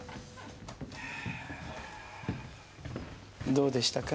どうでしたか？